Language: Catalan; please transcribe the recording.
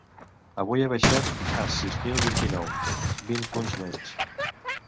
Avui, ha baixat a sis mil vint-i-nou, vint punts menys.